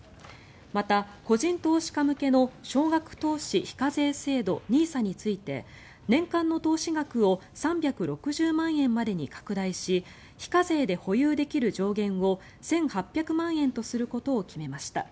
また、個人投資家向けの少額投資非課税制度・ＮＩＳＡについて年間の投資額を３６０万円までに拡大し非課税で保有できる上限を１８００万円とすることを決めました。